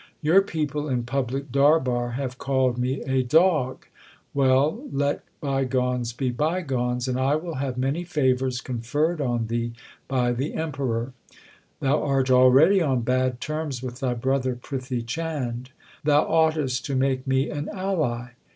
Your people in public darbar have called me a dog. Well, let bygones be bygones, and I will 1 Guru Arjan, Suhi Chhant. 8o THE SIKH RELIGION have many favours conferred on thee by the Emperor. Thou art already on bad terms with thy brother Prithi Chand. Thou oughtest to make me an ally.